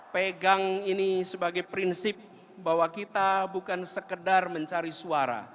pegang ini sebagai prinsip bahwa kita bukan sekedar mencari suara